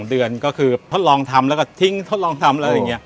เดือนก็คือทดลองทำแล้วก็ทิ้งทดลองทำอะไรอย่างนี้